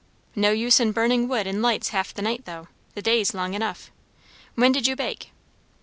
"No use in burning wood and lights half the night, though. The day's long enough. When did you bake?"